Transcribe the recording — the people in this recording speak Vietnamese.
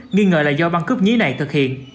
nghi ngờ là do băng cướp nhí này thực hiện